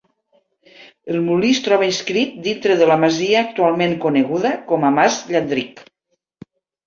El molí es troba inscrit dintre de la masia actualment coneguda com a Mas Llandric.